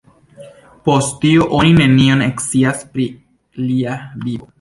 Post tio, oni nenion scias pri lia vivo.